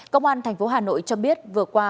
cơ quan thành phố hà nội cho biết vừa qua